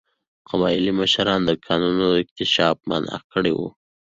قبایلي مشرانو د کانونو اکتشاف منع کړی و.